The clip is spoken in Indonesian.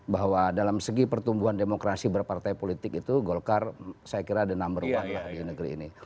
bahwa dalam segi pertumbuhan demokrasi berpartai politik itu golkar saya kira ada number one lah di negeri ini